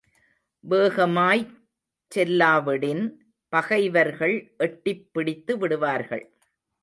வேகமாய்ச்செல்லாவிடின் பகைவர்கள் எட்டிப் பிடித்து விடுவார்கள்.